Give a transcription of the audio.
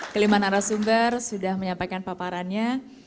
kelimahan arasumber sudah menyampaikan paparannya